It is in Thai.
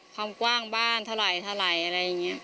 ความกว้างบ้านเท่าไหร่เท่าไหร่อะไรอย่างเงี้ย